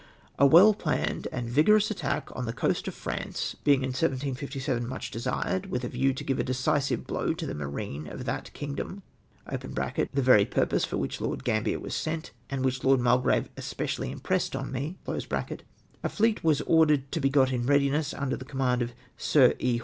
A well planned and vigorous attack on the coast of France being in 1757 much desired, with a view to give a decisive blow to the marine of that kingdom {tlie very pur pose for ii'hicli' Lord Gambler vjas sent, and vjhich Lord Midgrave especiaUij irnpressed onrne), a fleet was ordered to be got in readiness, under the command of 8ir E.